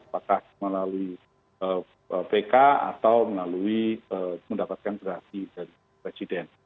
apakah melalui pk atau melalui mendapatkan gerasi dari presiden